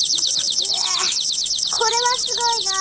これはすごいな。